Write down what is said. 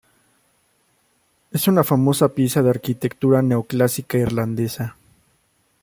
Es una famosa pieza de arquitectura neoclásica irlandesa.